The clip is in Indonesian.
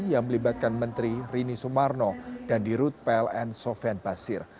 yang melibatkan menteri rini sumarno dan dirut pln sofian basir